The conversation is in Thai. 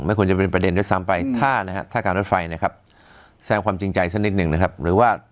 ไม่ควรจะเป็นประเด็นด้วยซ้ำไปถ้าการรถไฟแสงความจริงใจซะนิดนึงนะครับ